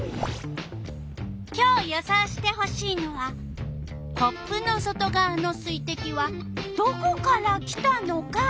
今日予想してほしいのはコップの外がわの水てきはどこから来たのか。